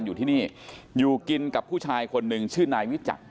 อยู่ที่นี่อยู่กินกับผู้ชายคนหนึ่งชื่อนายวิจักร